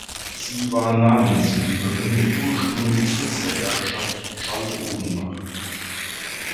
Sie war Namensgeberin und ursprünglich Sitz der Herrschaft Schallodenbach.